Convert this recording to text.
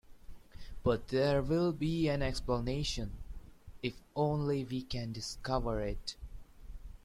But there will be an explanation — if only we can discover it.